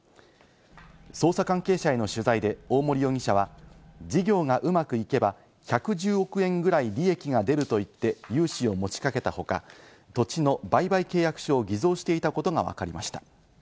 捜査関係者への取材で大森容疑者は事業がうまくいけば１１０億円ぐらい利益が出ると言って融資を持ちかけた他、土地の売買契約書を偽造していたことがわかりました。